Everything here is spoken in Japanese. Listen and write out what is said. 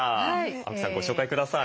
青木さんご紹介ください。